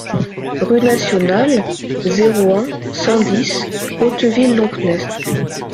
Rue Nationale, zéro un, cent dix Hauteville-Lompnes